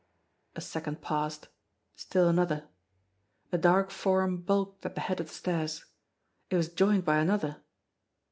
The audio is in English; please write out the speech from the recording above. A second passed still another. A dark form bulked at the head of the stairs. It was joined by another.